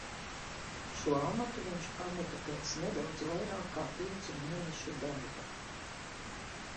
Šo amatu viņš pameta pēc nedaudz vairāk kā piecu mēnešu darba.